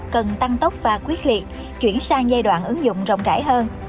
cần tăng tốc và quyết liệt chuyển sang giai đoạn ứng dụng rộng rãi hơn